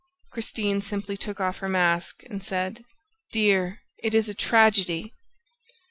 Christine simply took off her mask and said: "Dear, it is a tragedy!"